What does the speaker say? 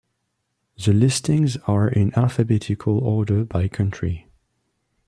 The listings are in alphabetical order by country.